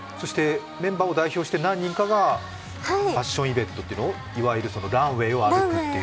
メンバーを代表して何人かがファッションイベントっていうの、いわゆるランウェイを歩くっていう。